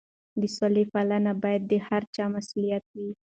د سولې پالنه باید د هر چا مسؤلیت وي.